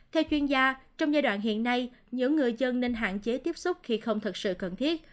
theo chuyên gia trong giai đoạn hiện nay những người dân nên hạn chế tiếp xúc khi không thật sự cần thiết